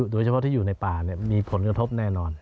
โดยเฉพาะที่อยู่ในป่ามีผลกระทบแน่นอน